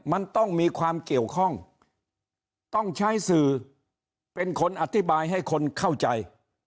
มันต้องมีความเกี่ยวข้องต้องใช้สื่อเป็นคนอธิบายให้คนเข้าใจ